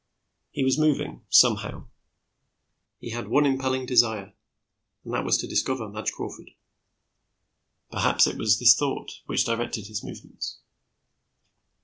He was moving, somehow. He had one impelling desire, and that was to discover Madge Crawford. Perhaps it was this thought which directed his movements.